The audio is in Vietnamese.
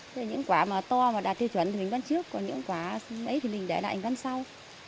thế những quả mà to mà đạt tiêu chuẩn thì mình bán trước còn những quả lấy thì mình để lại mình bán sau